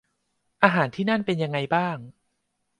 อาหารที่นั่นเป็นยังไงบ้าง